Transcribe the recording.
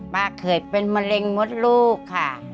เคยเป็นมะเร็งมดลูกค่ะ